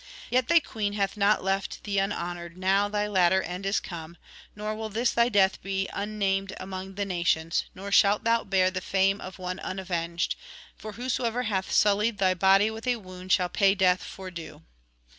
Yet thy Queen hath not left thee unhonoured now thy latter end is come; nor will this thy death be unnamed among the nations, nor shalt thou bear the fame of one unavenged; for whosoever hath sullied thy body with a wound shall pay death for due.'